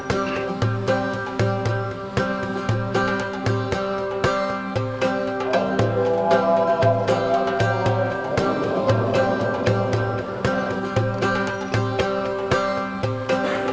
ini solat id jamaah abu g